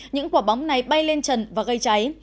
những quả bóng này bay lên trần và gây cháy